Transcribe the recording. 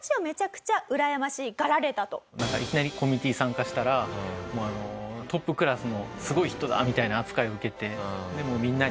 いきなりコミュニティに参加したらトップクラスのすごい人だみたいな扱いを受けてでもうみんなに。